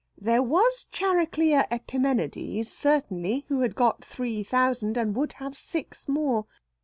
There was Chariclea Epimenides, certainly, who had got three thousand, and would have six more.